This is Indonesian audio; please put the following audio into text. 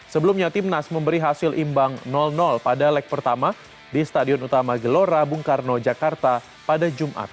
sebelumnya timnas memberi hasil imbang pada leg pertama di stadion utama gelora bung karno jakarta pada jumat